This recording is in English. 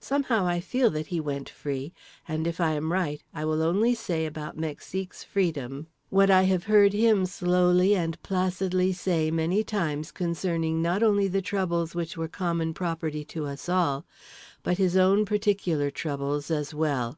Somehow I feel that he went free … and if I am right, I will only say about Mexique's freedom what I have heard him slowly and placidly say many times concerning not only the troubles which were common property to us all but his own peculiar troubles as well.